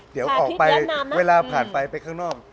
เดี๋ยวออกไปเวลาผ่านไปไปข้างนอก